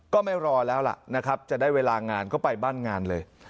ก็ไม่รอแล้วล่ะนะครับจะได้เวลางานก็ไปบ้านงานเลย